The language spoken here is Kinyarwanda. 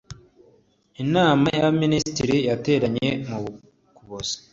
inama y’abaminisitiri yateranye mu kuboza